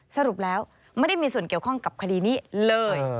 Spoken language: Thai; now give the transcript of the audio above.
สรุปแล้วไม่ได้มีส่วนเกี่ยวข้องกับคดีนี้เลย